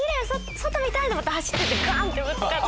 外見たい！と思って走っていってガンッてぶつかって。